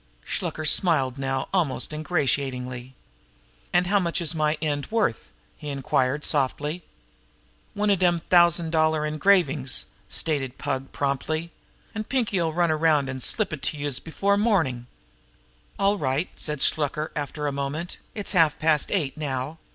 Shluker smiled now almost ingratiatingly. "And how much is my end worth?" he inquired softly. "One of dem thousand dollar engravin's," stated the Pug promptly. "An' Pinkie'll run around an' slip it to youse before mornin'." "All right," said Shluker, after a moment. "It's half past eight now.